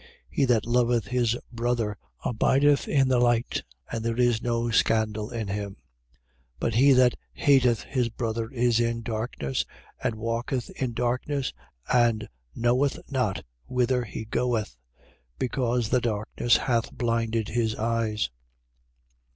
2:10. He that loveth his brother abideth in the light: and there is no scandal in him. 2:11. But he that hateth his brother is in darkness and walketh in darkness and knoweth not whither he goeth: because the darkness hath blinded his eyes.